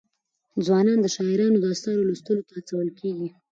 ځوانان د شاعرانو د اثارو لوستلو ته هڅول کېږي.